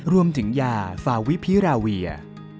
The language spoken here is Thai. รวมถึงยาฟาวิพิราเวีย